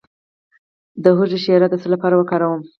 د هوږې شیره د څه لپاره وکاروم؟